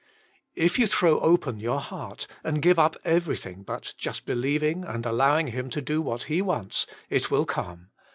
If you throw open your heart and give up everything but just believ ing and allowing Him to do what He wants, it will come.